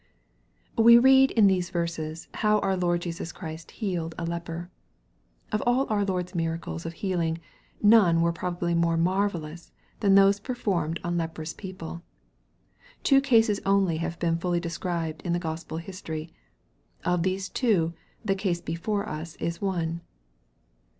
WE read in these verses how our Lord Jesus Christ healed a leper. Of all our Lord's miracles of healing none were probably more marvellous than those per formed on leprous people. Two cases only have been fully described in the Gospel history. Of these two, the case before us is one.